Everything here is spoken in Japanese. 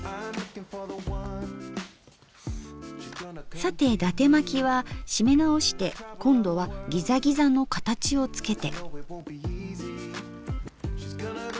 さて伊達まきは締め直して今度はギザギザの形をつけて。